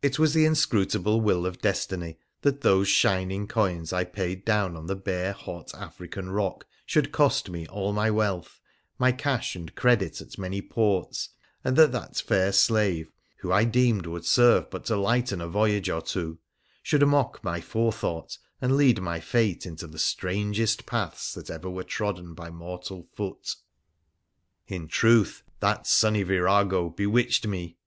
It was the inscrutable will of Destiny that those shining coins I paid down on the bare hot African rock should cost me all my wealth, my cash and credit at many ports, and that that fair slave, who I deemed would serve but to lighten a voyage or two, should mock my forethought, and lead my fate into the strangest paths that ever were trodden by mortal foot. In truth, that sunny virago bewitched me.